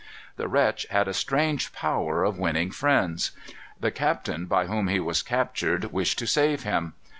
The wretch had a strange power of winning friends. The captain by whom he was captured wished to save him.